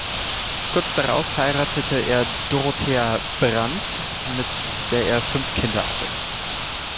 Kurz darauf heiratete er Dorothea Brandt, mit der er fünf Kinder hatte.